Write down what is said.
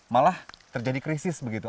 malah terjadi krisis begitu